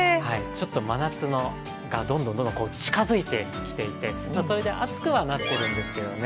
真夏がどんどん近づいてきていて、それで暑くはなっているんですけどもね